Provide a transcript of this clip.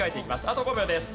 あと５秒です。